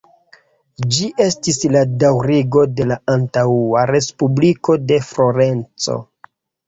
Ĝi estis la daŭrigo de la antaŭa Respubliko de Florenco.